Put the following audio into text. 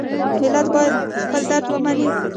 ملت باید خپل درد ومني.